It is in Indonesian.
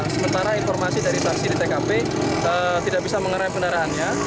sementara informasi dari tkp tidak bisa mengenai kendaraannya